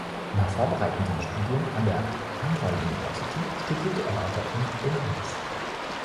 Nach vorbereitenden Studien an der Andhra University studierte er weiter in Benares.